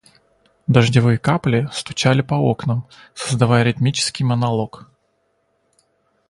Дождевые капли стучали по окнам, создавая ритмический монолог.